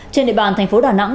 trên địa bàn thành phố đà nẵng